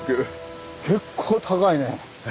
結構高いね。